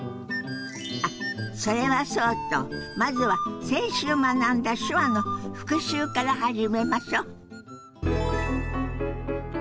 あっそれはそうとまずは先週学んだ手話の復習から始めましょ。